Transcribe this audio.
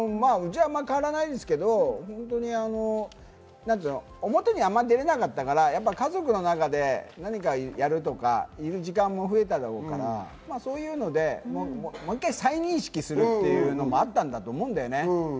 うちはあまり変わらないですけど、表にあんま出られなかったから家族の中で何かやるとか、いる時間も増えただろうから、もう１回、再認識するというのもあったんだと思うんだよね。